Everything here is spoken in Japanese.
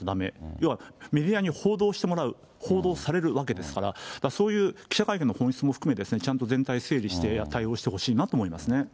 要はメディアに報道してもらう、報道されるわけですから、そういう記者会見の本質も含めて、ちゃんと全体整理して対応してほしいなと思いますね。